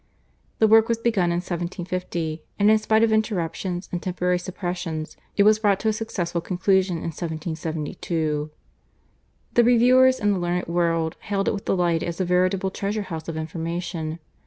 The work was begun in 1750, and in spite of interruptions and temporary suppressions it was brought to a successful conclusion in 1772. The reviewers and the learned world hailed it with delight as a veritable treasure house of information.